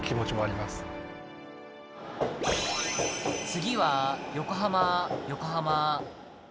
「次は横浜横浜」。